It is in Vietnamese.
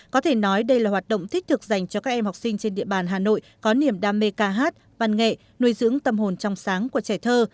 có thể nói đây là hoạt động thích thực dành cho các em học sinh trên địa bàn hà nội có niềm đam mê ca hát văn nghệ nuôi dưỡng tâm hồn trong sáng của trẻ thơ